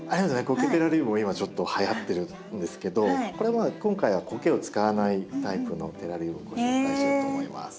コケテラリウムも今ちょっとはやってるんですけどこれは今回はコケを使わないタイプのテラリウムをご紹介しようと思います。